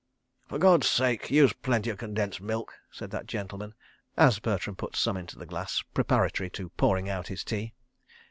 "For God's sake use plenty of condensed milk," said that gentleman, as Bertram put some into the glass, preparatory to pouring out his tea.